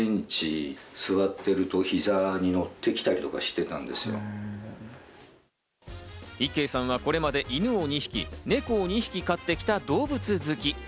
いっけいさんはこれまで犬を２匹、ネコを２匹飼ってきた動物好き。